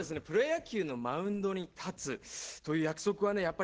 プロ野球のマウンドに立つという約束はね